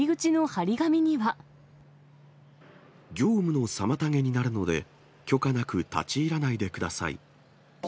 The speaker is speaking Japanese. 業務の妨げになるので、許可なく立ち入らないでください。